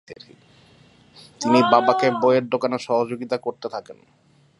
তিনি বাবাকে বইয়ের দোকানে সহযোগিতা করতে থাকেন।